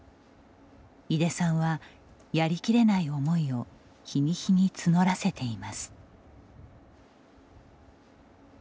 井出さんは、やりきれない思いを日に日に募らせています。